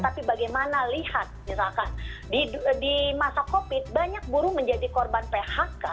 tapi bagaimana lihat misalkan di masa covid banyak buruh menjadi korban phk